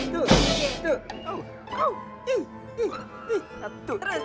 tuh tuh tuh